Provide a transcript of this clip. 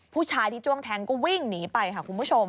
ผู้ชายที่จ้วงแทงก็วิ่งหนีไปค่ะคุณผู้ชม